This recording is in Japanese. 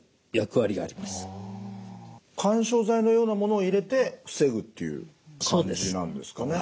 緩衝材のようなものを入れて防ぐっていう感じなんですかね。